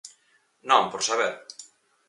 Non, por saber.